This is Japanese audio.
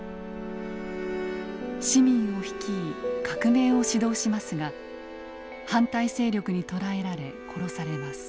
市民を率い革命を指導しますが反対勢力に捕らえられ殺されます。